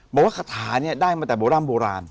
บอกว่าคาถาได้มาตั้งแต่โบราณ